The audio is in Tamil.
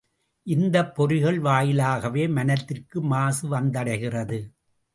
இந்தப் பொறிகள் வாயிலாகவே மனத்திற்கு மாசு வந்தடைகிறது.